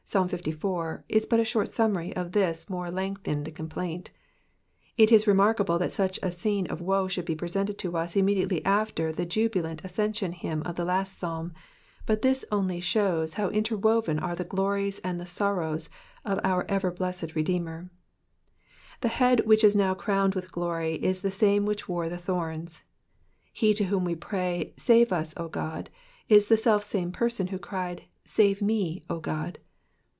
liv.) is but a short summary of this more lengthened complaint. It is remarkable that such a scene of woe should be presented to us immediately after the jubilant ascension hymn of the last Psalm, but this only shows hotr Digitized by VjOOQIC PSALM THE SIXTY NINTH. 259 interwoven are the glories and the sorrows of our ever blessed Redeemer. The head which now is crowned with glory is the same which wore the thorns ; he to whom we pray, Save us, O God/* is the selfsame person who cried, '' Save me, O God.''